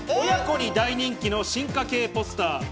親子に大人気の進化系ポスター。